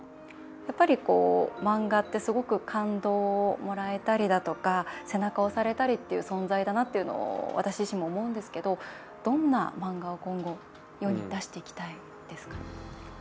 やっぱり、漫画ってすごく感動をもらえたりだとか背中、押されたりという存在だなっていうのを私自身も思うんですけどどんな漫画を今後世に出していきたいですかね？